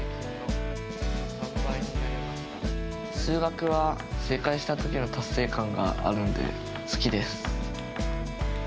数学は正解した時の達成感があるので、好きです。